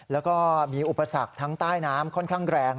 แล้วก็มีอุปสรรคทั้งใต้น้ำค่อนข้างแรง